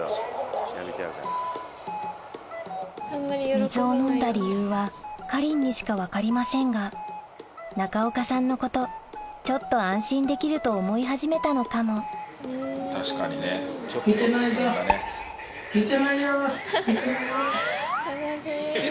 水を飲んだ理由はかりんにしか分かりませんが中岡さんのことちょっと安心できると思い始めたのかも見てないぞ見てないよ見てないよ。